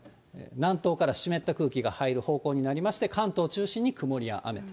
南東から湿った空気が入る方向になりまして、関東中心に曇りや雨。